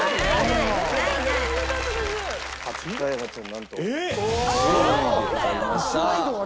なんと１０位でございました。